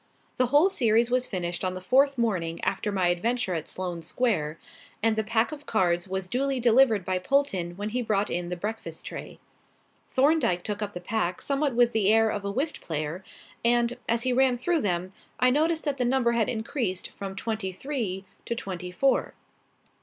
The whole series was finished on the fourth morning after my adventure at Sloane Square, and the pack of cards was duly delivered by Polton when he brought in the breakfast tray. Thorndyke took up the pack somewhat with the air of a whist player, and, as he ran through them, I noticed that the number had increased from twenty three to twenty four.